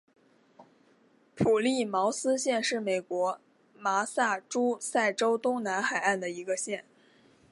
普利茅斯县是美国麻萨诸塞州东南海岸的一个县。